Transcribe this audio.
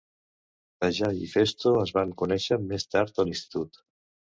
Tajai i Phesto es van conèixer més tard, a l'institut.